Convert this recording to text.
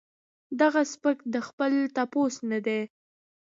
دغه سپک د خپل تپوس نۀ دي